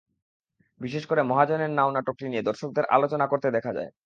বিশেষ করে মহাজনের নাও নাটকটি নিয়ে দর্শকদের আলোচনা করতে দেখা যায়।